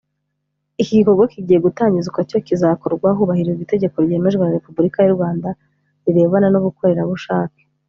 Iki gikorwa kigiye gutangizwa cyo kizakorwa hubahirizwa itegeko ryemejwe na Repubulika y’u Rwanda rirebana n’ubukorerabushake